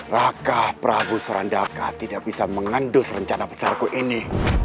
rakah prabu sorandaka tidak bisa mengendus rencana pesarku ini